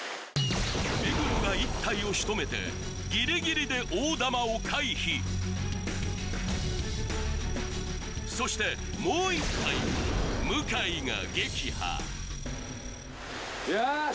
目黒が１体をしとめてギリギリで大玉を回避そしてもう１体は向井が撃破よし！